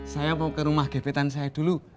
saya mau ke rumah gepetan saya dulu